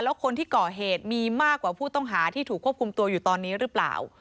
แล้วคนที่ก่อเหตุมีมากกว่าผู้ต้องหาที่ถูกควบคุมตัวอยู่ตอนนี้หรือเปล่า